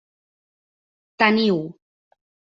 Teniu.